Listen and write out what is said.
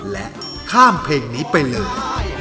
และข้ามเพลงนี้ไปเลย